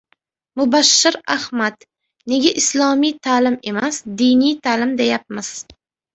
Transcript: Mubashshir Ahmad: "Nega islomiy ta’lim emas, diniy ta’lim deyapmiz?.."